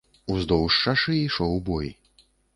Уздоўж шашы ішоў бой.